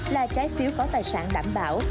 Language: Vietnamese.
là trái phiếu có tài sản đảm bảo